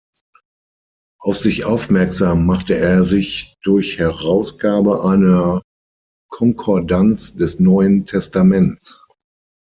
Auf sich aufmerksam machte er sich durch Herausgabe einer Konkordanz des Neuen Testaments.